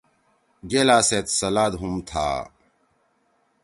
گیلا سیت سلاد ہُم تھا۔